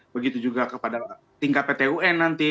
begitu juga kepada tingkat pt un nanti